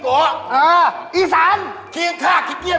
ข้างคอกขี้จิ้งหมาพี่ไปกิน